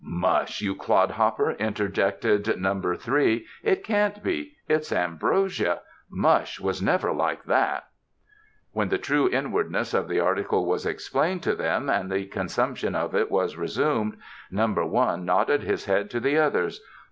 "Mush! you clodhopper!" interjected Number Three, "it can't be — it's ambrosia. Mush was never like that." When the true inwardness of the article was ex plained to them and the conoumption of it was re sumed. Number One nodded his head to the others.